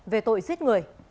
về tội giết người